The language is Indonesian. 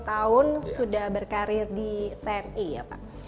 dua puluh tahun sudah berkarir di tni ya pak